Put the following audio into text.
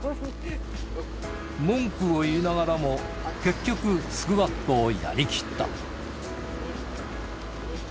文句を言いながらも、結局スクワットをやりきった。